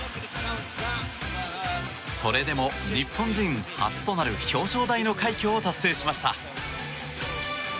それでも日本人初となる表彰台の快挙を達成しました。